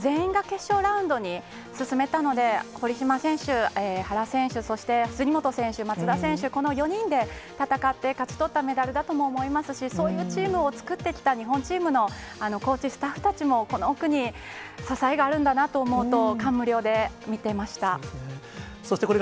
全員が決勝ラウンドに進めたので、堀島選手、原選手、そして杉本選手、松田選手、この４人で戦って勝ち取ったメダルだとも思いますし、そういうチームを作ってきた日本チームのコーチ、スタッフたちも、この奥に支えがあるんだなと思うと、感無量で見そうですね。